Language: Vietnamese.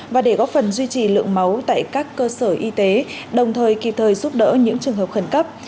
và để góp phần duy trì lượng máu tại các cơ sở y tế đồng thời kịp thời giúp đỡ những trường hợp khẩn cấp